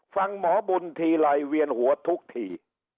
ฟังหมอบุญทีไรเวียนหัวทุกที